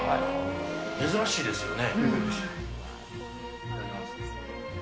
珍しいですよね。